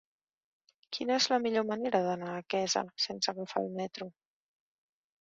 Quina és la millor manera d'anar a Quesa sense agafar el metro?